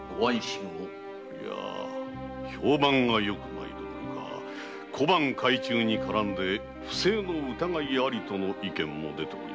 いや評判が良くないどころか小判改鋳に絡み不正の疑いありとの意見も出ております。